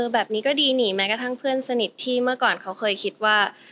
แบบนี้ก็ดีนี่แม้กระทั่งเพื่อนสนิทที่เมื่อก่อนเขาเคยคิดว่า